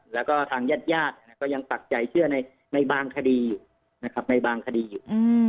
แล้วก็ทางญาติญาติก็ยังปักใจเชื่อในบางคดีอยู่ในบางคดีอยู่